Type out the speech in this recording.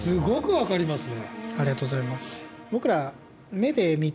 分かりますね。